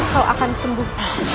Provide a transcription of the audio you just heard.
kau akan sembuh